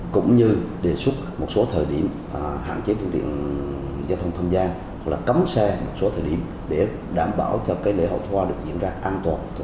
cũng như đề xuất một số thời gian